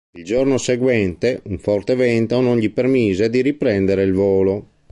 Il giorno seguente, un forte vento non gli permise di riprendere il volo.